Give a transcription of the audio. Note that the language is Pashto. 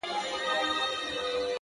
خو هيله زما هر وخت په نفرت له مينې ژاړي”